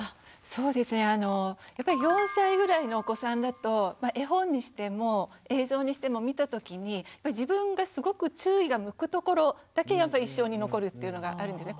そうですねあのやっぱり４歳ぐらいのお子さんだと絵本にしても映像にしても見た時に自分がすごく注意が向くところだけ印象に残るっていうのがあるんですね。